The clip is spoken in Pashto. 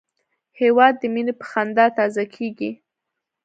هېواد د مینې په خندا تازه کېږي.